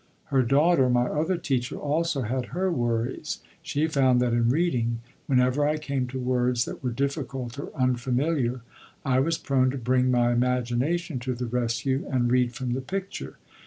Her daughter, my other teacher, also had her worries. She found that, in reading, whenever I came to words that were difficult or unfamiliar, I was prone to bring my imagination to the rescue and read from the picture.